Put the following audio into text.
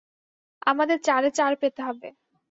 আমাদের চারে চার পেতে হবে।